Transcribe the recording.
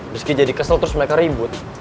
meski jadi kesel terus mereka ribut